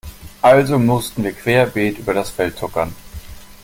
Also mussten wir querbeet über das Feld tuckern.